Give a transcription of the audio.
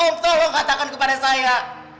tolong katakan kepada saya